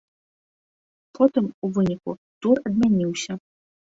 Потым, у выніку, тур адмяніўся.